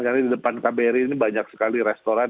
karena di depan kbri ini banyak sekali restoran